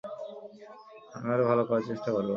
আমি আরো ভালো করার চেষ্টা করবো।